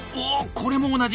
これも同じ！